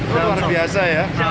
luar biasa ya